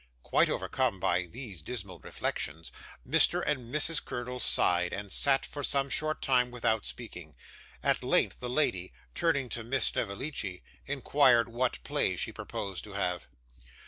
Quite overcome by these dismal reflections, Mr. and Mrs. Curdle sighed, and sat for some short time without speaking. At length, the lady, turning to Miss Snevellicci, inquired what play she proposed to have.